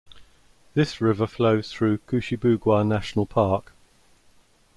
This river flows through Kouchibouguac National Park.